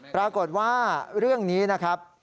ปรากฏว่าเรื่องนี้นะครับ